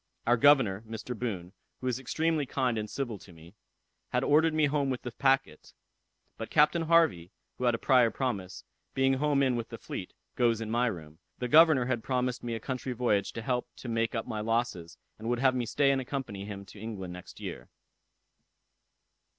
Our governor, Mr. Boon, who is extremely kind and civil to me, had ordered me home with the packet; but Captain Harvey, who had a prior promise, being come in with the fleet, goes in my room. The governor had promised me a country voyage to help to make up my losses, and would have me stay and accompany him to England next year."